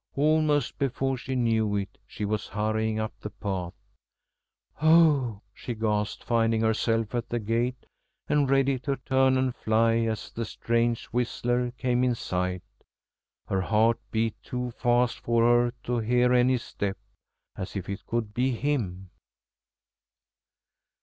Almost before she knew it she was hurrying up the path. "Oh!" she gasped, finding herself at the gate, and ready to turn and fly as the strange whistler came in sight. Her heart beat too fast for her to hear any step. As if it could be him!